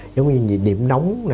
giống như điểm nóng